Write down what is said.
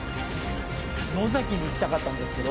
野崎に行きたかったんですけど。